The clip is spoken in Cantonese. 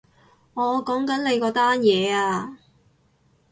我講緊你嗰單嘢啊